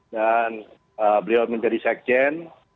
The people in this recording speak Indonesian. dan beliau menjadi sekjen